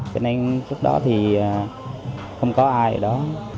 cho nên trước đó thì không có ai ở đó